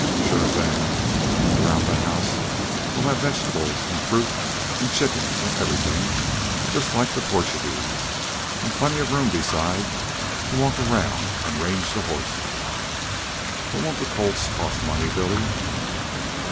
"Sure thing. Around the house we'll have vegetables an' fruit and chickens an' everything, just like the Porchugeeze, an' plenty of room beside to walk around an' range the horses." "But won't the colts cost money, Billy?"